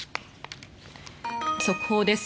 速報です。